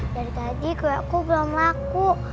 dari tadi ke aku belum laku